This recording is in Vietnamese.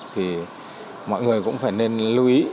thì mọi người cũng phải nên lưu ý